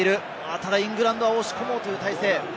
ただイングランドは押し込もうという体勢。